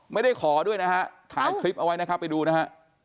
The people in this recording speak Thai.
ไม่ได้ขอด้วยนะฮะถ่ายคลิปเอาไว้นะครับไปดูนะฮะ